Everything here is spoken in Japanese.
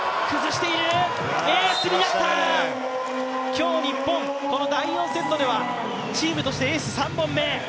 今日、日本、この第４セットではチームとしてエース３本目。